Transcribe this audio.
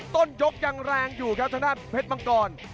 ต้นยกยังแรงอยู่ครับทางด้านเพชรมังกร